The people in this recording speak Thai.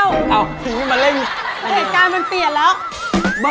เอาสิ่งที่มาเล่นเหตุการณ์มันเปลี่ยนแล้ว